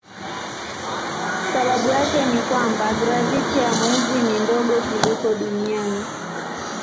Sababu yake ni ya kwamba graviti ya mwezi ni ndogo kuliko duniani.